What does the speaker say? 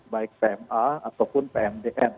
baik pma ataupun pmdn